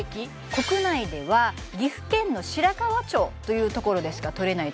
国内では岐阜県の白川町という所でしか採れない